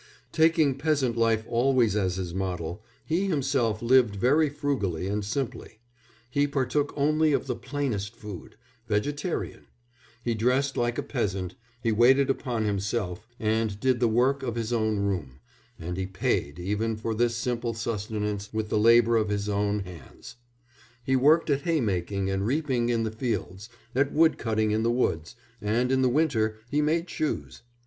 Taking peasant life always as his model, he himself lived very frugally and simply; he partook only of the plainest food vegetarian; he dressed like a peasant, he waited upon himself and did the work of his own room, and he "paid" even for this simple sustenance with the labour of his own hands; he worked at haymaking and reaping in the fields, at woodcutting in the woods, and in the winter he made shoes.